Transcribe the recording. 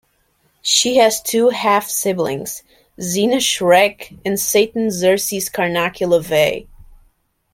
She has two half siblings, Zeena Schreck and Satan Xerxes Carnacki LaVey.